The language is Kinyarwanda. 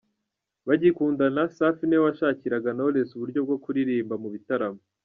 Bagikundana, Safi niwe washakiraga Knowless uburyo bwo kuririmba mu bitaramo.